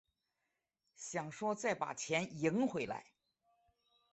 想说再把钱赢回来